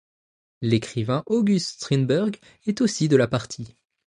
L'écrivain August Strindberg est aussi de la partie.